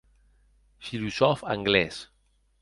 Filosòf anglés.